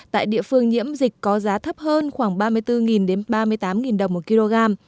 tại địa phương nhiễm dịch có giá thấp hơn khoảng ba mươi bốn ba mươi tám đồng một kg